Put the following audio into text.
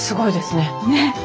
ねっ。